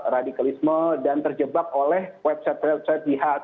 radikalisme dan terjebak oleh website website jihad